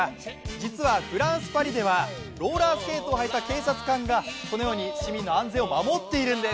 実はフランス・パリではローラースケートを履いた警察官がこのように市民の安全を守っているんです。